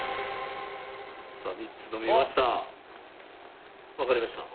さあ３つ飲みました。